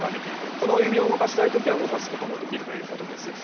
この指を動かしたい時は動かすこともできるという。